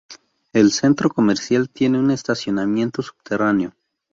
El centro comercial tiene un estacionamiento subterráneo.